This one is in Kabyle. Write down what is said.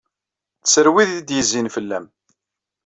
Tter wid ay d-yezzin fell-am.